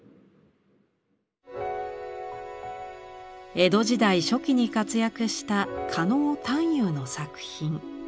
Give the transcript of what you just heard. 江戸時代初期に活躍した狩野探幽の作品。